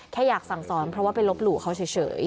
แค่อยากสั่งสอนเพราะว่าไปลบหลู่เขาเฉย